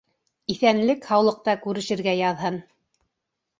— Иҫәнлек-һаулыҡта күрешергә яҙһын.